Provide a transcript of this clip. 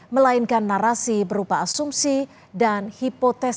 melainkan narasi berupa asumsi dan hipotesis